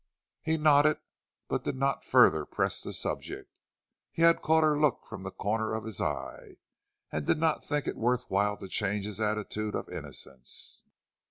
He nodded, but did not further press the subject. He had caught her look from the corner of his eye, and did not think it worth while to change his attitude of innocence.